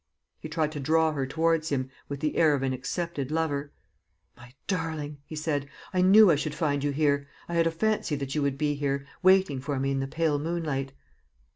He tried to draw her towards him, with the air of an accepted lover. "My darling!" he said, "I knew I should find you here. I had a fancy that you would be here, waiting for me in the pale moonlight."